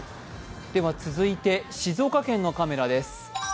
続いて、静岡県のカメラです。